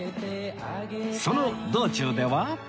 その道中では